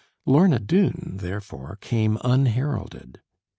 'Lorna Doone' therefore came unheralded.